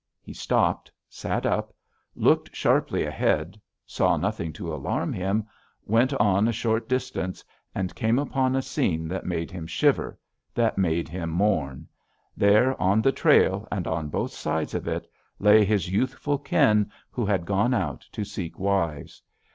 He stopped, sat up, looked sharply ahead, saw nothing to alarm him, went on a short distance, and came upon a scene that made him shiver; that made him mourn: there, on the trail and on both sides of it, lay his youthful kin who had gone out to seek wives!